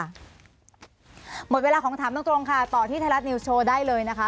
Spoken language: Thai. หมดเวลาของถามตรงค่ะต่อที่ไทยรัฐนิวส์โชว์ได้เลยนะคะ